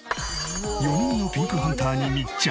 ４人のピンクハンターに密着！